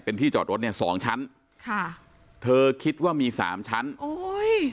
เป็นที่จอดรถเนี้ยสองชั้นค่ะเธอคิดว่ามีสามชั้นโอ้ย